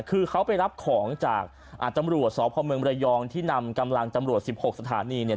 คือเขาไปรับของจากตำรวจสพเมืองระยองที่นำกำลังตำรวจ๑๖สถานีเนี่ย